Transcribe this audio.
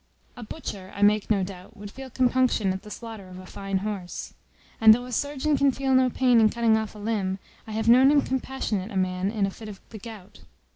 A butcher, I make no doubt, would feel compunction at the slaughter of a fine horse; and though a surgeon can feel no pain in cutting off a limb, I have known him compassionate a man in a fit of the gout.